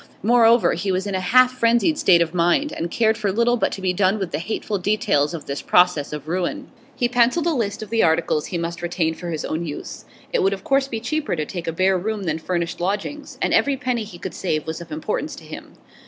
Moreover, he was in a half frenzied state of mind, and cared for little but to be done with the hateful details of this process of ruin. He pencilled a list of the articles he must retain for his own use; it would of course be cheaper to take a bare room than furnished lodgings, and every penny he could save was of importance to him.